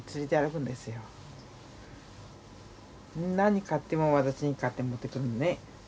何買っても私に買って持ってくるんでね。